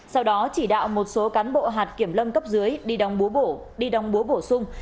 sau đó chỉ đạo một số cán bộ hạt kiểm lâm cấp dưới đi đồng búa bổ sung